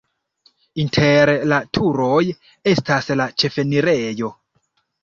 Inter la turoj estas la ĉefenirejo.